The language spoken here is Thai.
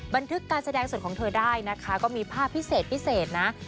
บันทึกการแสดงส่วนของเธอได้นะคะก็มีภาพพิเศษพิเศษนะ